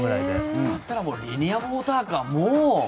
だったらリニアモーターカーももう。